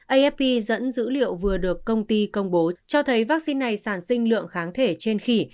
afp dẫn dữ liệu vừa được công ty công bố cho thấy vaccine này sản sinh lượng kháng thể trên khỉ